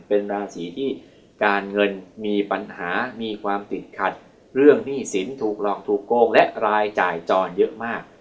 เป็นราศีที่การเงินมีปัญหามีความติดขัดเรื่องหนี้สินถูกหลอกถูกโกงและรายจ่ายจรเยอะมาก